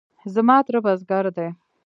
زما تره بزگر دی.